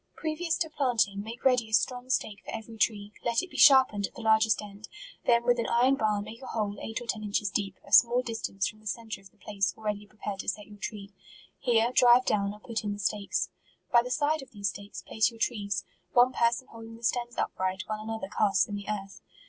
Previous to planting, make ready a strong stake for every tree ; let it be sharpened at the largest end ; then with an iron bar make a hole eight or ten inches deep, a small distance from the centre of the place already prepared to set your tree ; here drive down or put in the stakes ; by the side of these stakes place your trees ; one person holding the stems upright, while another casts in the €arth.